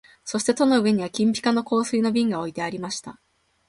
そして戸の前には金ピカの香水の瓶が置いてありました